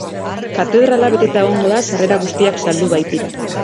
Katedrala beteta egongo da sarrera guztiak saldu baitira.